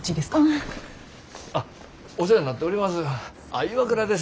あっお世話になっております。